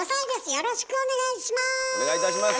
よろしくお願いします！